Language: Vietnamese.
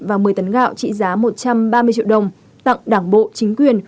và một mươi tấn gạo trị giá một trăm ba mươi triệu đồng tặng đảng bộ chính quyền